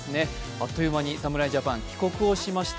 あっという間に侍ジャパン帰国をしました。